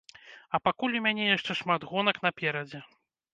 А пакуль у мяне яшчэ шмат гонак наперадзе.